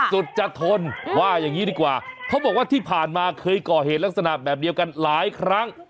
สุดจะทนว่าอย่างนี้ดีกว่าเขาบอกว่าที่ผ่านมาเคยก่อเหตุลักษณะแบบเดียวกันหลายครั้ง